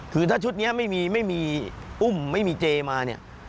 คือถ้าชุดนี้ไม่มีไม่มีอุ้มไม่มีเจมาเนี่ย